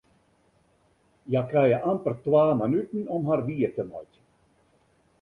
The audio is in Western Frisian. Hja krije amper twa minuten om har wier te meitsjen.